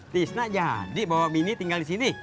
tisna jadi bahwa mini tinggal di sini